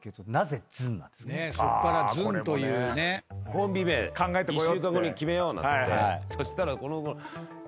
コンビ名１週間後に決めようなんつって。